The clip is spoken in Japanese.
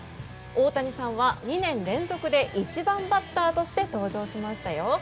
大谷さんは２年連続で１番バッターとして登場しましたよ。